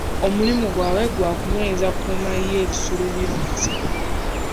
Omulimi gwabwe gwa kunyweza nkuuma y'ebisolo by'omu nsiko.